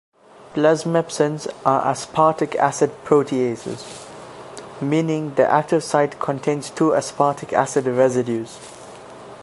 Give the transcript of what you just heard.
Plasmepsins are aspartic acid proteases, meaning their active site contains two aspartic acid residues.